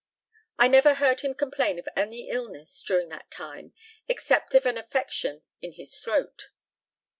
I never heard him complain of any illness during that time except of an affection in his throat.